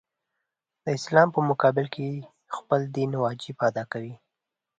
د اسلام په مقابل کې خپله دیني وجیبه ادا کوي.